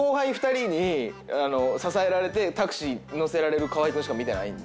支えられてタクシー乗せられる河合君しか見てないんで。